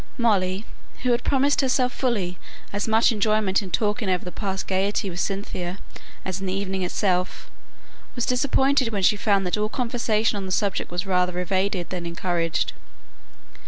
Molly, who had promised herself fully as much enjoyment in talking over the past gaiety with Cynthia as in the evening itself, was disappointed when she found that all conversation on the subject was rather evaded than encouraged.